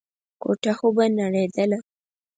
کوټه خو به نړېدله.